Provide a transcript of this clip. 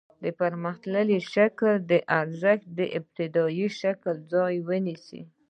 پرمختللي شکل د ارزښت د ابتدايي شکل ځای ونیو